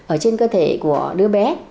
ở trên cơ thể của đứa bé